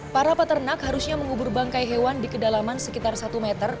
para peternak harusnya mengubur bangkai hewan di kedalaman sekitar satu meter